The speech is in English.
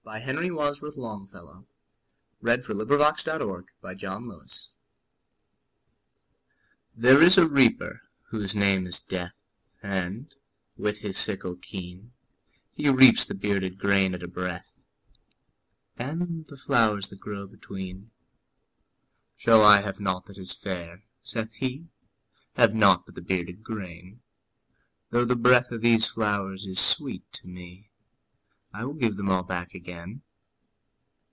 Henry Wadsworth Longfellow The Reaper And The Flowers THERE is a Reaper whose name is Death, And, with his sickle keen, He reaps the bearded grain at a breath, And the flowers that grow between. ``Shall I have nought that is fair?'' saith he; ``Have nought but the bearded grain? Though the breath of these flowers is sweet to me, I will give them all back again.''